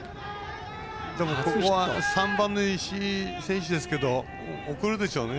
３番、石井選手ですけど送るでしょうね。